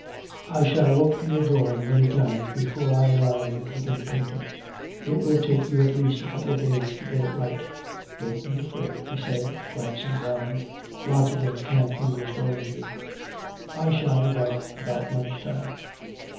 'I shall look to your drawing many times before I allow you to begin painting. It will take you at least a couple of days to get it right.... Don't be afraid,' he said, glancing round; 'lots of them can't do as well as you. I shall be back about lunch time.'